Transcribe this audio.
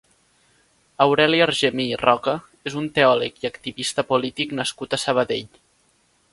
Aureli Argemí i Roca és un teòleg i activista polític nascut a Sabadell.